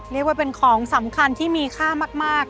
เรียกว่าเป็นของสำคัญที่มีค่ามาก